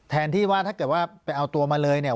แทนที่ว่าถ้าเกิดว่าไปเอาตัวมาเลยเนี่ย